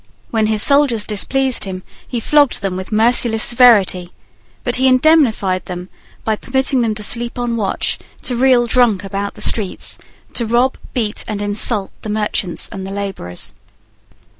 When his soldiers displeased him he flogged them with merciless severity: but he indemnified them by permitting them to sleep on watch, to reel drunk about the streets, to rob, beat, and insult the merchants and the labourers.